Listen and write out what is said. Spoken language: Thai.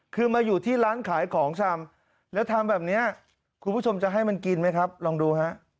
คือมาอยู่ที่ร้านขายของชำแล้วทำแบบนี้คุณผู้ชมจะให้มันกินไหมครับลองดูฮะ